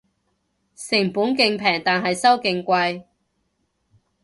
成本勁平但係收勁貴